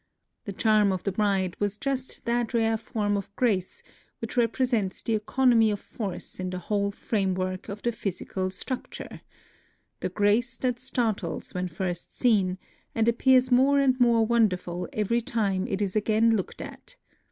The charm of the bride was just that rare form of grace which represents the economy of force in the whole framework of the physical structure, — 68 NOTES OF A TRIP TO KYOTO the grace tliat startles when first seen, and appears more and more wonderful every time it is again looked at.